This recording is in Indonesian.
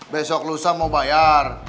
besok lusa mau bayar